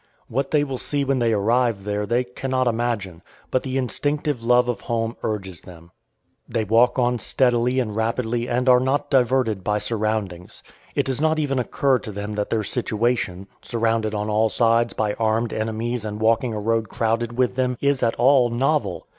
What they will see when they arrive there they cannot imagine; but the instinctive love of home urges them. They walk on steadily and rapidly and are not diverted by surroundings. It does not even occur to them that their situation, surrounded on all sides by armed enemies and walking a road crowded with them, is at all novel.